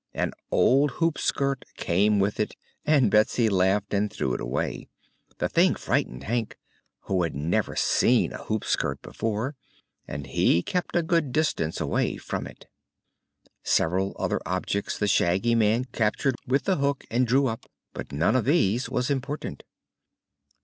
An old hoopskirt came with it, and Betsy laughed and threw it away. The thing frightened Hank, who had never seen a hoopskirt before, and he kept a good distance away from it. Several other objects the Shaggy Man captured with the hook and drew up, but none of these was important.